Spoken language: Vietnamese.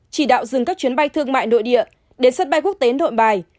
chỉ đạo dừng các chuyến bay thương mại nội địa đến sân bay quốc tế nội bài